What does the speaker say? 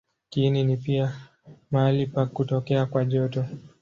Kiini ni pia mahali pa kutokea kwa joto.